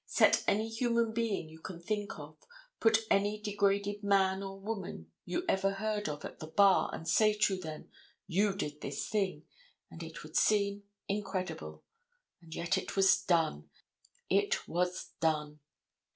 Set any human being you can think of, put any degraded man or woman you ever heard of at the bar, and say to them, "You did this thing," and it would seem incredible. And yet it was done; it was done.